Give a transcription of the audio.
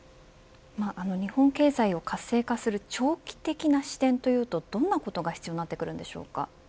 日本経済を活性化する長期的な視点というとどんなことが必要になってくるんでしょうか。